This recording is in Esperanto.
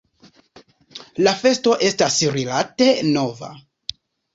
La festo estas rilate nova.